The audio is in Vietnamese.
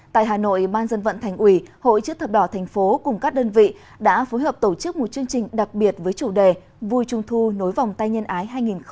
tại hà nội ban dân vận thành ủy hội chức thập đỏ thành phố cùng các đơn vị đã phối hợp tổ chức một chương trình đặc biệt với chủ đề vui trung thu nối vòng tay nhân ái hai nghìn hai mươi